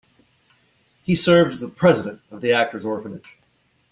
He served as the president of the Actors' Orphanage.